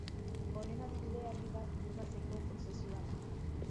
Honen adibide argi bat Burgoseko Prozesua da.